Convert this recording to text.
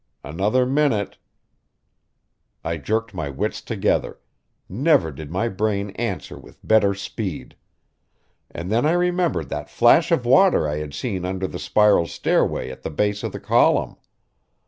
Another minute I jerked my wits together never did my brain answer with better speed. And then I remembered that flash of water I had seen under the spiral stairway at the base of the column.